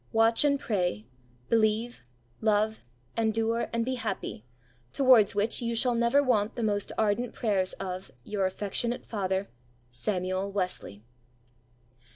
Watch and pray; believe, love, endure, and be happy, towards which you shall never want the most ardent prayers of "Your affectionate father, "SAMUEL WESLEY."